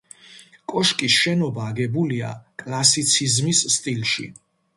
კოშკის შენობა აგებულია კლასიციზმის სტილში.